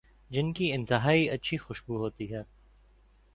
جن کی انتہائی اچھی خوشبو ہوتی ہے